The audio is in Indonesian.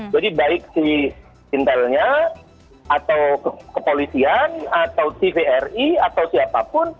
baik si intelnya atau kepolisian atau tvri atau siapapun